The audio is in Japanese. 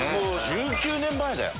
１９年前だよ。